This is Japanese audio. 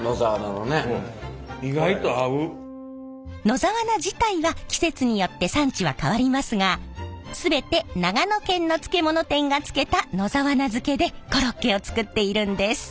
野沢菜自体は季節によって産地は変わりますが全て長野県の漬物店が漬けた野沢菜漬けでコロッケを作っているんです。